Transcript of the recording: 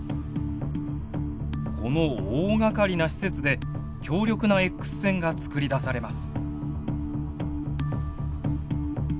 この大がかりな施設で強力なＸ線がつくり出されます。